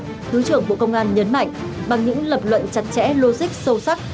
thứ trưởng bộ công an nhấn mạnh bằng những lập luận chặt chẽ logic sâu sắc